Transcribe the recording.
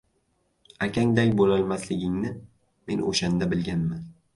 Akangday bo‘lolmasligingni men o‘shanda bilganman...